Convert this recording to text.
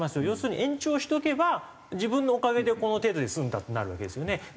要するに延長しとけば自分のおかげでこの程度で済んだってなるわけですよね。